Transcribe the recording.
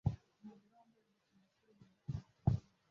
Umugore wambaye bikini akurura imbwa kumusenyi